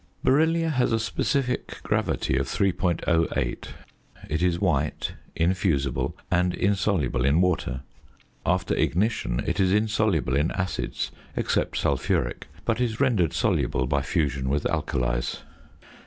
Beryllia has a specific gravity of 3.08. It is white, infusible, and insoluble in water. After ignition, it is insoluble in acids, except sulphuric, but is rendered soluble by fusion with alkalies.